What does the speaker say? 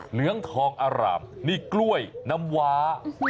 เหลืองทองอร่ามนี่กล้วยน้ำว้า